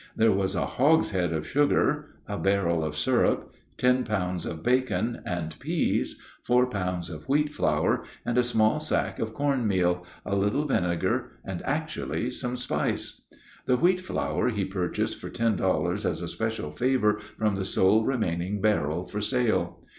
There was a hogshead of sugar, a barrel of syrup, ten pounds of bacon and peas, four pounds of wheat flour, and a small sack of corn meal, a little vinegar, and actually some spice! The wheat flour he purchased for ten dollars as a special favor from the sole remaining barrel for sale.